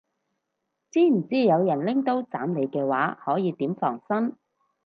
知唔知有人拎刀斬你嘅話可以點防身